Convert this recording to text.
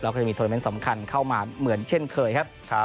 แล้วก็จะมีโทรเมนต์สำคัญเข้ามาเหมือนเช่นเคยครับ